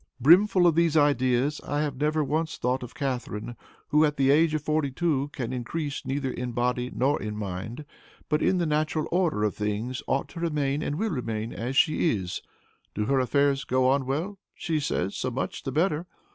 "Brimful of these ideas, I have never once thought of Catharine, who, at the age of forty two, can increase neither in body nor in mind, but, in the natural order of things, ought to remain, and will remain, as she is. Do her affairs go on well? she says, so much the better.